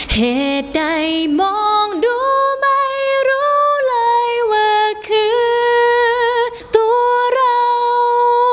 เหตุใดมองดูไม่รู้เลยว่าคือตัวเรา